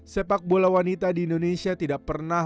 sepak bola wanita di indonesia tidak pernah